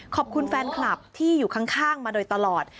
ขอบคุณแฟนคลับที่อยู่ข้างมาโดยตลอด